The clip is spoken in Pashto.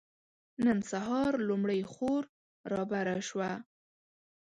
نن سهار لومړۍ خور رابره شوه.